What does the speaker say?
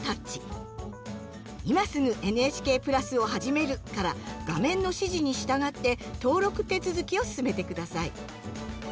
「今すぐＮＨＫプラスをはじめる」から画面の指示に従って登録手続きを進めて下さい。